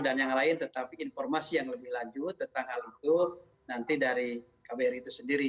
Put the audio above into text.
dan yang lain tetapi informasi yang lebih lanjut tentang hal itu nanti dari kbr itu sendiri